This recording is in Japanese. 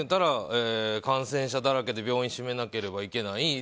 感染者だらけで病院を閉めなければいけない。